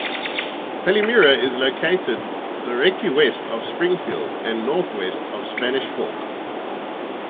Palmyra is located directly west of Springville and northwest of Spanish Fork.